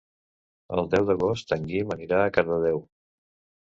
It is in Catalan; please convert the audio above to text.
El deu d'agost en Guim anirà a Cardedeu.